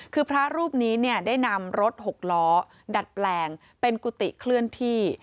คือพระรูปนี้ได้นำรถหกล้อดัดแปลงเป็นกุฏิเคลื่อนที่